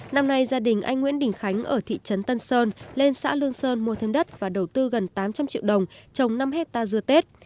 năm nay gia đình anh nguyễn đình khánh ở thị trấn tân sơn lên xã lương sơn mua thương đất và đầu tư gần tám trăm linh triệu đồng trồng năm hectare dưa tết